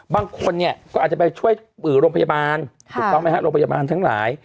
บางคนเนี่ยก็อาจจะไปช่วยโรงพยาบาลถูกต้องไหมฮะโรงพยาบาลทั้งหลาย